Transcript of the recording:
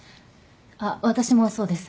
あっ私もそうです。